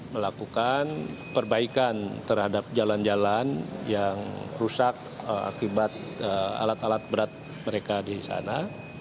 melakukan perbaikan terhadap jalan jalan yang rusak akibat alat alat berat mereka di sana